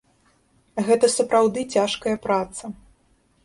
Гэта сапраўды цяжкая праца.